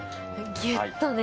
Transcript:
ぎゅっとね。